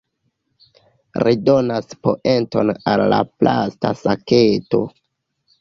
Ri donas poenton al la plasta saketo.